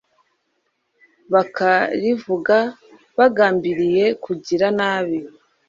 bakarivuga bagambiriye kugira nabi